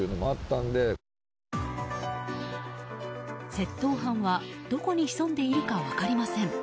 窃盗犯はどこに潜んでいるか分かりません。